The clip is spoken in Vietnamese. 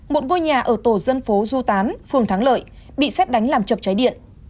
một ngôi nhà ở tổ dân phố du tán phường thắng lợi bị xét đánh làm chập cháy điện